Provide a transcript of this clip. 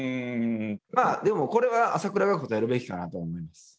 まあでもこれは朝倉が答えるべきかなと思います。